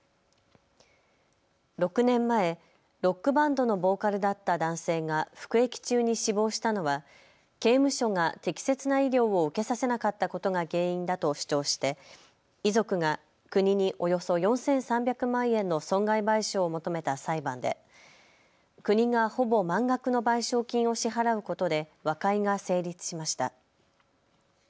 ６年前、ロックバンドのボーカルだった男性が服役中に死亡したのは刑務所が適切な医療を受けさせなかったことが原因だと主張して遺族が国におよそ４３００万円の損害賠償を求めた裁判で国がほぼ満額の賠償金を支払うことで和解が成立しました。